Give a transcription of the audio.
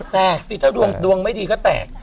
แต่สิถ้าดวงดวงไม่ดีก็แตก